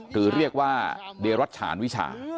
หรือเรียกว่าเดรัชฉานวิชา